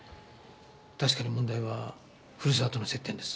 確かに問題は古沢との接点です。